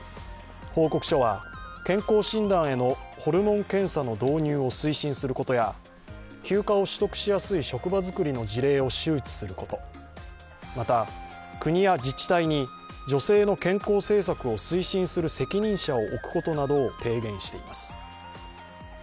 報告書は健康診断へのホルモン検査の導入を推進することや休暇を取得しやすい職場づくりの事例を周知すること、また、国や自治体に女性の健康政策を推進する責任者を置くことなどを提言しています。